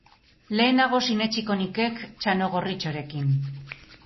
Lehenago sinetsiko nikek txano gorritxorekin!